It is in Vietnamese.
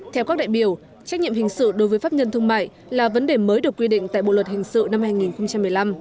theo các đại biểu trách nhiệm hình sự đối với pháp nhân thương mại là vấn đề mới được quy định tại bộ luật hình sự năm hai nghìn một mươi năm